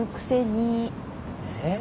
えっ？